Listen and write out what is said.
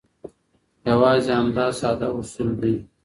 یوازې همدا ساده اصول دي.